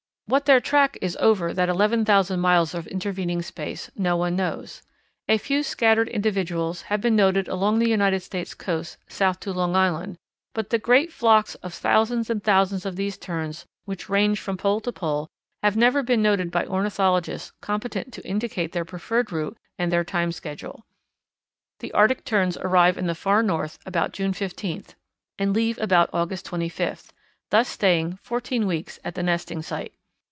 "What their track is over that eleven thousand miles of intervening space no one knows. A few scattered individuals have been noted along the United States coast south to Long Island, but the great flocks of thousands and thousands of these Terns which range from pole to pole have never been noted by ornithologists competent to indicate their preferred route and their time schedule. The Arctic Terns arrive in the Far North about June fifteenth and leave about August twenty fifth, thus staying fourteen weeks at the nesting site.